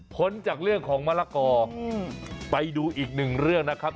จากเรื่องของมะละกอไปดูอีกหนึ่งเรื่องนะครับ